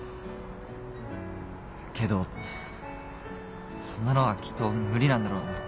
けどそんなのはきっと無理なんだろうな。